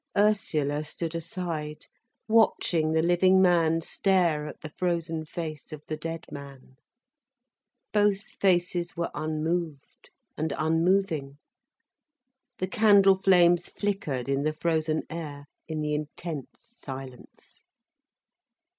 Ursula stood aside watching the living man stare at the frozen face of the dead man. Both faces were unmoved and unmoving. The candle flames flickered in the frozen air, in the intense silence.